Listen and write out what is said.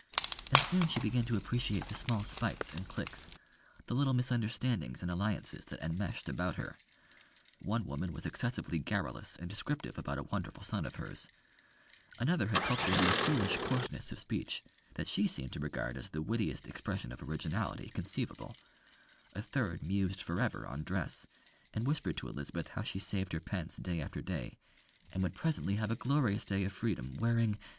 And soon she began to appreciate the small spites and cliques, the little misunderstandings and alliances that enmeshed about her. One woman was excessively garrulous and descriptive about a wonderful son of hers; another had cultivated a foolish coarseness of speech, that she seemed to regard as the wittiest expression of originality conceivable; a third mused for ever on dress, and whispered to Elizabeth how she saved her pence day after day, and would presently have a glorious day of freedom, wearing